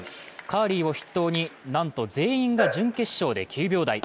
カーリーを筆頭になんと全員が準決勝で９秒台。